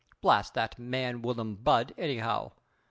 Blast that man Weelum Budd, anyhow!